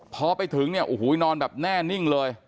พอไปถึงอุ้ยหุ้ยนอนแน่นิ่งเลย